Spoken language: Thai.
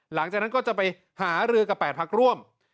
หลังจากนั้นก็จะไปหารือกับ๘พักร่วม